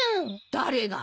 誰が？